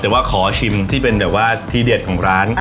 แต่ว่าขอชิมที่เป็นแบบว่าทีเด็ดของร้าน